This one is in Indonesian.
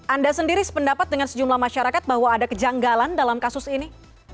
anda sendiri sependapat dengan sejumlah masyarakat bahwa ada kejanggalan dalam kasus ini